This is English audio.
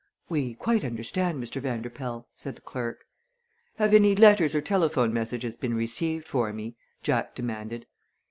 "We quite understand, Mr. Vanderpoel," said the clerk. "Have any letters or telephone messages been received for me?" Jack demanded.